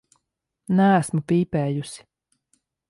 Neesmu pīpējusi.